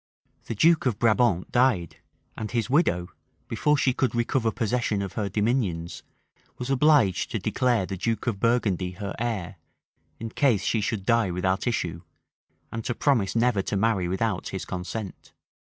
The duke of Brabant died; and his widow, before she could recover possession of her dominions, was obliged to declare the duke of Burgundy her heir, in case she should die without issue, and to promise never to marry without his consent.